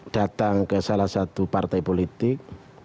datang ke salah satu partai politik